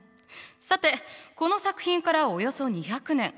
さてこの作品からおよそ２００年。